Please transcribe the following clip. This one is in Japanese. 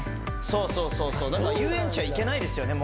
そうそうそうそうだから遊園地は行けないですよね